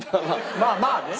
まあまあね。